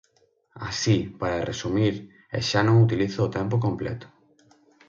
Así, para resumir, e xa non utilizo o tempo completo.